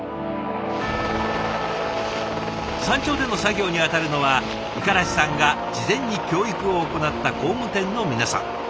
山頂での作業に当たるのは五十嵐さんが事前に教育を行った工務店の皆さん。